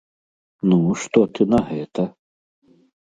Ну, што ты на гэта?